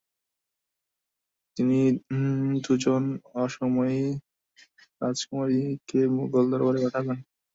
তিনি দু’জন অসমীয় রাজকুমারীকে মোগল দরবারে পাঠাবেন।